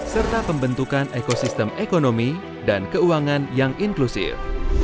serta pembentukan ekosistem ekonomi dan keuangan yang inklusif